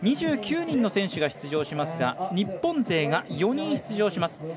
２９人の選手が出場しますが日本勢が４人出場します。